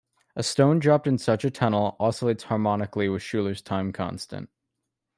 A stone dropped in such a tunnel oscillates harmonically with Schuler's time constant.